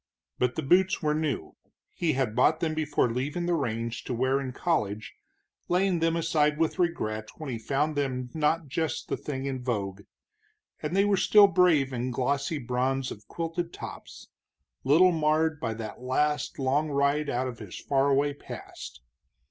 But the boots were new he had bought them before leaving the range, to wear in college, laying them aside with regret when he found them not just the thing in vogue and they were still brave in glossy bronze of quilted tops, little marred by that last long ride out of his far away past.